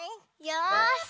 よし。